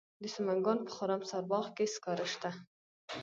د سمنګان په خرم سارباغ کې سکاره شته.